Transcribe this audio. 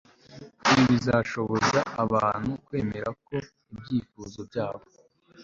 Ibi bizashoboza abantu kwemera ko ibyifuzo byabo